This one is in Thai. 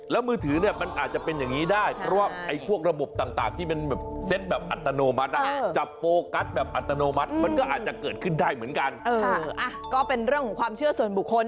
แต่มันอาจจะเป็นจังหวะที่เธอกำลังเอามือแล้วก็ยกขึ้น